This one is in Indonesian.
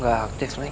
gak aktif lagi